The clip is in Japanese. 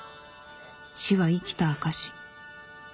死は生きた証し。